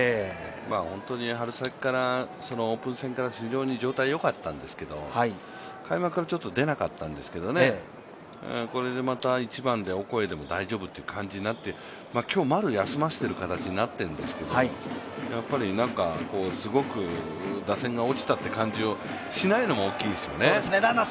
本当に春先から、オープン戦から非常に状態がよかったんですけど、開幕からちょっと出なかったんですけど、これでまた１番でオコエでも大丈夫って感じになって今日、丸を休ませている形になっているんですけどすごく打線が落ちたという感じがしないのも大きいですよね。